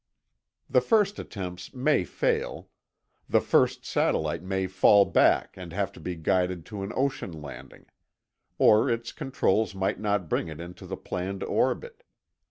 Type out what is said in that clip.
The first attempts may fail. The first satellite may fall back and have to be guided to an ocean landing. Or its controls might not bring it into the planned orbit.